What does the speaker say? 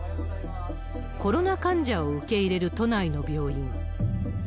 コロナ患者を受け入れる都内の病院。